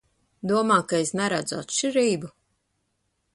Domā, ka es neredzu atšķirību?